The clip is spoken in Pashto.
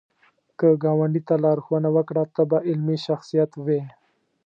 که ګاونډي ته لارښوونه وکړه، ته به علمي شخصیت وې